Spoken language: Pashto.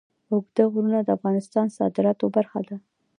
اوږده غرونه د افغانستان د صادراتو برخه ده.